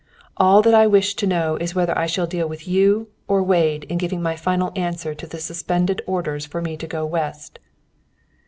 All that I wish to know is whether I shall deal with you or Wade in giving my final answer to the suspended orders for me to go West."